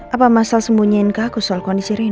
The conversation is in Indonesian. apa masalah sembunyian kakus soal kondisi rena